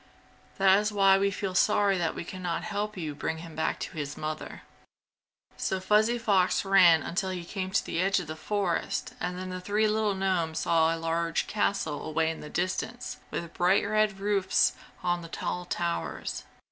That is why we feel sorry that we can not help you bring him back to his mother." So Fuzzy Fox ran until he came to the edge of the forest and then the three little gnomes saw a large castle away in the distance with bright red roofs on the tall towers.